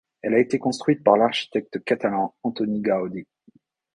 Elle a été construite par l'architecte catalan Antoni Gaudí.